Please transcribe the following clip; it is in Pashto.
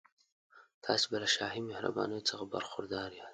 تاسي به له شاهي مهربانیو څخه برخوردار یاست.